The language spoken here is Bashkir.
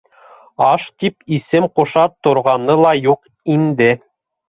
— Аш тип исем ҡуша торғаны ла юҡ инде.